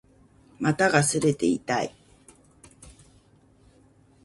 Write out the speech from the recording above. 股が擦れて痛い